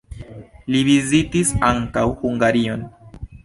Li vizitis ankaŭ Hungarion.